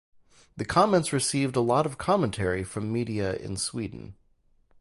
The comments received a lot of commentary from media in Sweden.